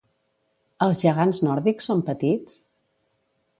Els gegants nòrdics són petits?